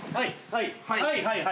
はいはい。